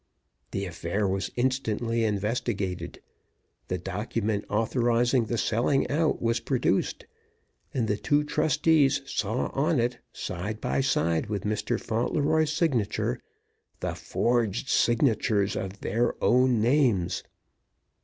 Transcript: The affair was instantly investigated; the document authorizing the selling out was produced; and the two trustees saw on it, side by side with Mr. Fauntleroy's signature, the forged signatures of their own names.